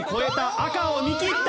赤を見切った！